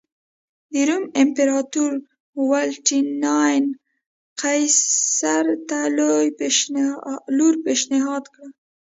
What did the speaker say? د روم امپراتور والنټیناین قیصر ته لور پېشنهاد کړه.